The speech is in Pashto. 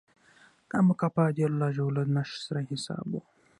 دا مکافات ډېر لږ او له نشت سره حساب و.